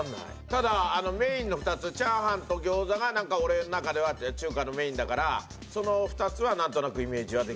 ただメインの２つチャーハンと餃子がなんか俺の中では中華のメインだからその２つはなんとなくイメージはできちゃってんだけど。